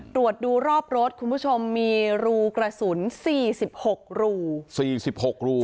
ตรวจดูรอบรถคุณผู้ชมมีรูกระสุนสี่สิบหกรูสี่สิบหกรู